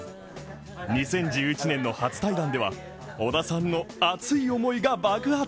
２０１１年の初対談では、織田さんの熱い思いが爆発！